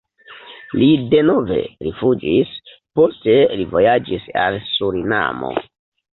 Li denove rifuĝis, poste li vojaĝis al Surinamo.